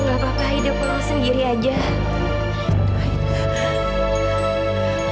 gak apa apa aida pulang sendiri aja